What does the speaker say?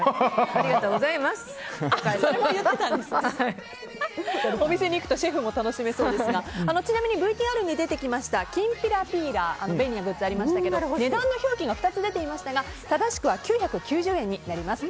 ありがとうございますってお店に行くとシェフも楽しめそうですがちなみにＶＴＲに出てきましたキンピラピーラー便利なグッズありましたが値段の表記が２つ出ていましたが正しくは９９０円になります。